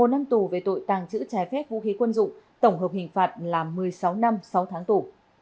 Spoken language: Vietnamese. một năm tù về tội tàng trữ trái phép vũ khí quân dụng tổng hợp hình phạt là một mươi sáu năm sáu tháng tù